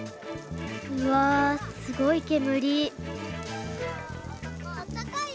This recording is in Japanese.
うわすごい煙。